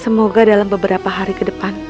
semoga dalam beberapa hari ke depan